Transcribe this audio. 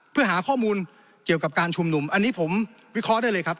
เพื่อหาข้อมูลเกี่ยวกับการชุมนุมอันนี้ผมวิเคราะห์ได้เลยครับ